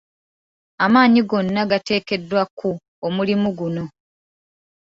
Amaanyi gonna g’atekeddwa ku omulimu guno.